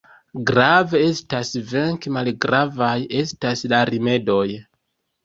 Grave estas venki, malgravaj estas la rimedoj.